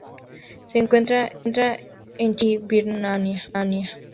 Se encuentra en en China y Birmania.